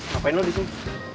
ngapain lo disini